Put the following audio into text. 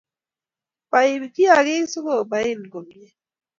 Pai kiakik sikubain komyee